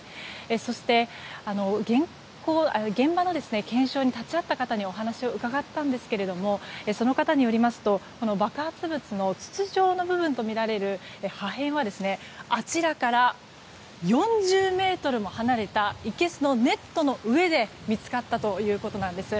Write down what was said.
そして現場の検証に立ち会った方にお話を伺ったんですけれどもその方によりますと爆発物の筒状の部分とみられる破片はあちらから４０ｍも離れたいけすのネットの上で見つかったということです。